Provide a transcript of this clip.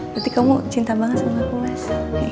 berarti kamu cinta banget sama aku mas